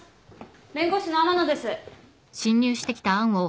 弁護士の天野です。